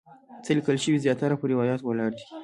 څه چې لیکل شوي زیاتره پر روایاتو ولاړ دي.